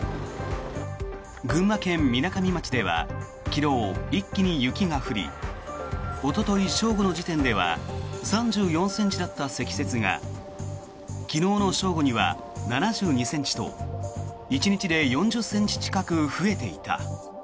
群馬県みなかみ町では昨日、一気に雪が降りおととい正午の時点では３４ｃｍだった積雪が昨日の正午には７２ｃｍと１日で４０ｃｍ近く増えていた。